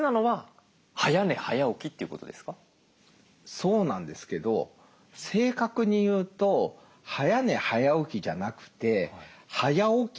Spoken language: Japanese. そうなんですけど正確に言うと「早寝早起き」じゃなくて「早起き早寝」ですね。